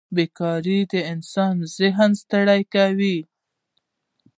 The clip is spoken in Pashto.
بېکارۍ د انسان ذهن ستړی کوي.